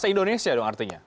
se indonesia dong artinya